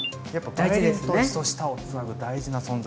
バイオリンと下をつなぐ大事な存在。